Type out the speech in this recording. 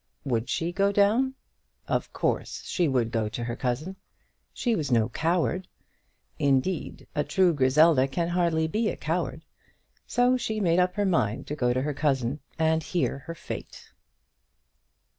Would she go down? Of course she would go to her cousin. She was no coward. Indeed, a true Griselda can hardly be a coward. So she made up her mind to go to her cousin and hear her fate.